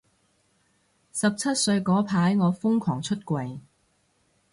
十七歲嗰排我瘋狂出櫃